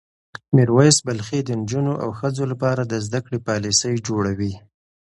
میر ویس بلخي د نجونو او ښځو لپاره د زده کړې پالیسۍ جوړوي.